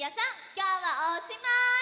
きょうはおしまい！